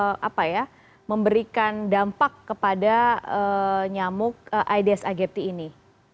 ini kapan karena supaya kemudian efektif bisa memberikan dampak kepada nyamuk aedes aegypti ini